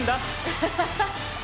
アハハハッ！